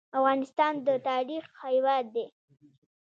افغانستان د تاریخ هیواد دی